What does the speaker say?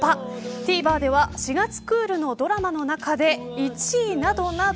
ＴＶｅｒでは４月クールのドラマの中で１位などなど。